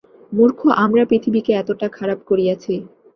মূর্খ আমরা পৃথিবীকে এতটা খারাপ করিয়াছি।